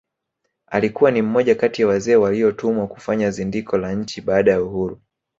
Alikuwa ni mmoja kati ya wazee waliotumwa kufanya zindiko la nchi baada ya uhuru